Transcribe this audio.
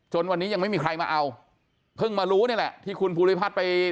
วันนี้ยังไม่มีใครมาเอาเพิ่งมารู้นี่แหละที่คุณภูริพัฒน์ไป